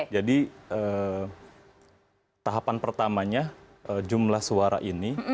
jadi tahapan pertamanya jumlah suara ini